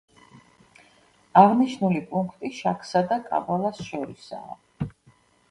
აღნიშნული პუნქტი შაქსა და კაბალას შორისაა.